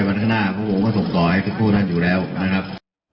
วันข้างหน้าเพราะผมก็ส่งต่อให้ทุกคู่ท่านอยู่แล้วนะครับ